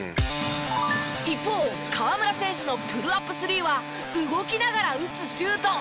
一方河村選手のプルアップスリーは動きながら打つシュート。